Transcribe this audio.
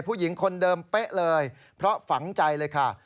ผู้หญิงคนเดิมเป๊ะเลยเพราะฝังใจเลยค่ะ